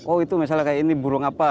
oh itu misalnya kayak ini burung apa